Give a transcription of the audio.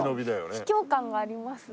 秘境感がありますね。